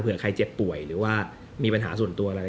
ใครเจ็บป่วยหรือว่ามีปัญหาส่วนตัวอะไร